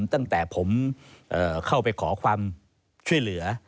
ตั้งแต่ผมเข้าไปขอความช่วยเหลือ